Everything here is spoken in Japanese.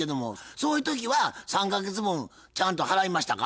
そういう時は３か月分ちゃんと払いましたか？